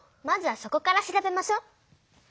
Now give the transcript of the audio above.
まずはそこから調べましょ。